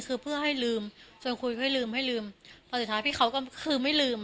คือเพื่อให้ลืมชวนคุยให้ลืมให้ลืมพอสุดท้ายพี่เขาก็คือไม่ลืม